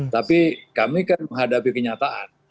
tapi kami kan menghadapi kenyataan